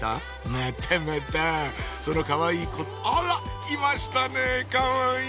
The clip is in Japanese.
またまたそのかわいい子あらいましたねかわいい！